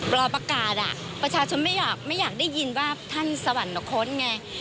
พอประกาศประชาชนไม่อยากได้ยินว่าท่านสวรรค์ละครไง